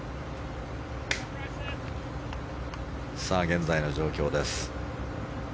現在の状況です。